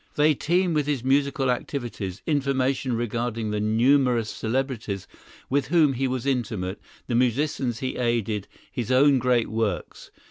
They teem with his musical activities—information regarding the numerous celebrities with whom he was intimate, the musicians he aided, his own great works.